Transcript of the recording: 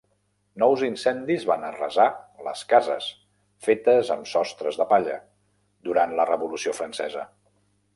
Nous incendis van arrasar les cases, fetes amb sostres de palla, durant la Revolució Francesa.